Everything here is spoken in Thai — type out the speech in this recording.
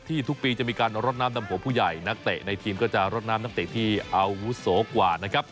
ทุกปีจะมีการรดน้ำดำหัวผู้ใหญ่นักเตะในทีมก็จะรดน้ำนักเตะที่อาวุโสกว่านะครับ